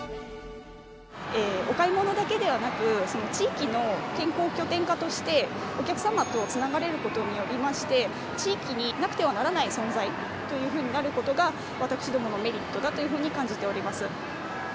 お買い物だけではなく、その地域の健康拠点化としてお客様とつながれることによりまして、地域になくてはならない存在というふうになることが、私どものメリットだというふうに感じております。